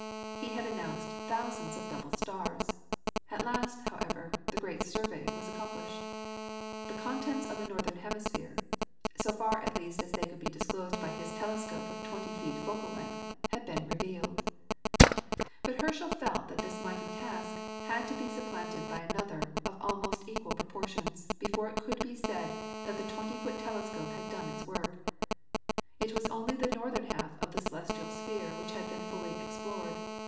He had announced thousands of double stars. At last, however, the great survey was accomplished. The contents of the northern hemisphere, so far at least as they could be disclosed by his telescope of twenty feet focal length, had been revealed. [PLATE: SIR JOHN HERSCHEL'S OBSERVATORY AT FELDHAUSEN, Cape of Good Hope.] But Herschel felt that this mighty task had to be supplemented by another of almost equal proportions, before it could be said that the twenty foot telescope had done its work. It was only the northern half of the celestial sphere which had been fully explored.